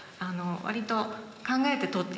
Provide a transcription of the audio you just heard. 割と。